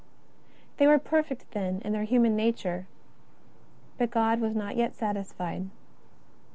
They were perfect, then, in their human nature ; but God was not yet satisfied.